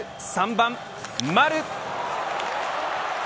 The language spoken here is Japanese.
３番、丸。